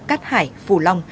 cắt hải phù long